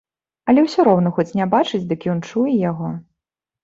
Але ўсё роўна, хоць не бачыць, дык ён чуе яго.